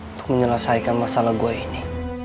untuk menyelesaikan masalah gue ini